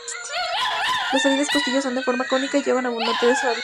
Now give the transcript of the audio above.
Las sólidas costillas son de forma cónica y llevan abundante savia lechosa.